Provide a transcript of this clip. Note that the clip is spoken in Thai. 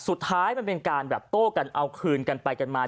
สุดท้ายมันเป็นการแบบโต้กันเอาคืนกันไปกันมา